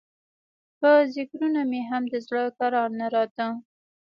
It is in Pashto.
په ذکرونو مې هم د زړه کرار نه راته.